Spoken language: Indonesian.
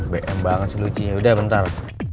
bm banget sih lucinya udah bentar